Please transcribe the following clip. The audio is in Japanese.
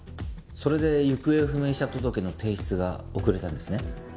それで行方不明者届の提出が遅れたんですね？